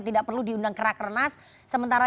tidak perlu diundang kerak renas sementara